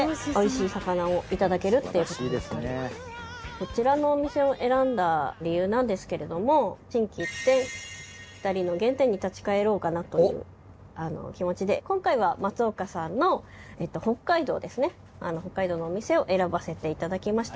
こちらのお店を選んだ理由なんですけれども心機一転２人の原点に立ち返ろうかなという気持ちで今回は松岡さんの北海道ですね北海道のお店を選ばせていただきました。